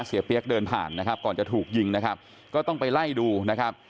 เปี๊ยกเดินผ่านนะครับก่อนจะถูกยิงนะครับก็ต้องไปไล่ดูนะครับ